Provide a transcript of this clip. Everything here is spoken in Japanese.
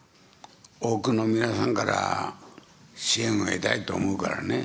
多くの皆さんから支援を得たいと思うからね。